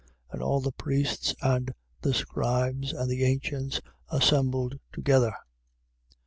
And all the priests and the scribes and the ancients assembled together.